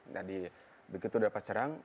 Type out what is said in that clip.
jadi begitu dapat serang